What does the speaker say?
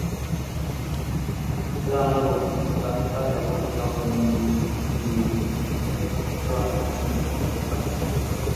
ইহার উত্তরে আমরা বলি, মুক্তাত্মা কেবল জগন্নিয়ন্তৃত্ব ব্যতীত আর সমুদয় শক্তিলাভ করেন।